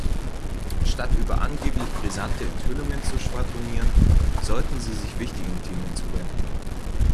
Statt über angeblich brisante Enthüllungen zu schwadronieren, sollte sie sich wichtigen Themen zuwenden.